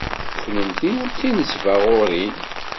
Kennemti d tinesbaɣurin.